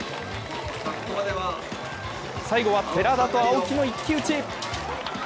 最後は寺田と青木の一騎打ち。